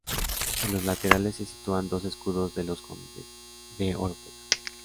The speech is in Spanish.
En los laterales se sitúan dos escudos de los condes de Oropesa.